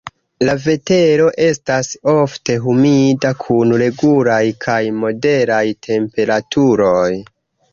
La vetero estas ofte humida, kun regulaj kaj moderaj temperaturoj.